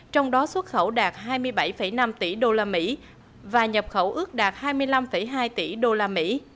trong đó xuất khẩu đạt hai mươi bảy năm tỷ usd và nhập khẩu ước đạt hai mươi năm hai tỷ usd